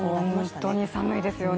本当に寒いですよね